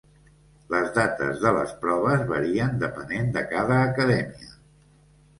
Les dates de les proves varien depenent de cada acadèmia.